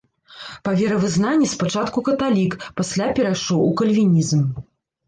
Па веравызнанні спачатку каталік, пасля перайшоў у кальвінізм.